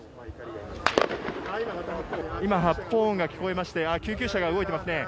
今、発砲音が聞こえまして、救急車が動いてますね。